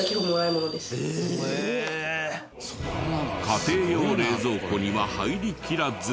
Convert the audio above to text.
家庭用冷蔵庫には入りきらず。